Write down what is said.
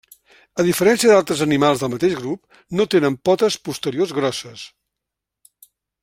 A diferència d'altres animals del mateix grup, no tenen potes posteriors grosses.